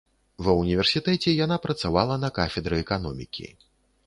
Ва ўніверсітэце яна працавала на кафедры эканомікі.